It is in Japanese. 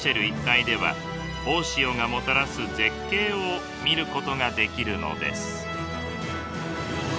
一帯では大潮がもたらす絶景を見ることができるのです。